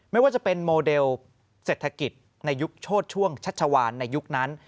ไม่ว่าจะเป็นโมเดลเศรษฐกิจในยุคโชดช่วงชัชวานในยุคนั้น